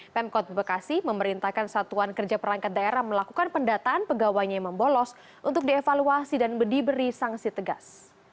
pemkot bekasi memerintahkan satuan kerja perangkat daerah melakukan pendataan pegawainya yang membolos untuk dievaluasi dan diberi sanksi tegas